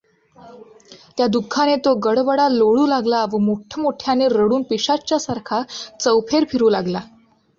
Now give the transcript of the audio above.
त्या दुःखाने तो गडबडा लोळू लागला व मोठमोठ्याने रडून पिशाच्चासारखा चौफेर फिरू लागला.